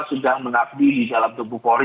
sudah mengabdi di dalam tubuh polri